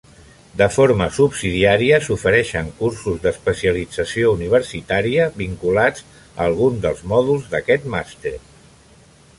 De forma subsidiària s'ofereixen cursos d'especialització universitària vinculats a alguns dels mòduls d'aquest Màster.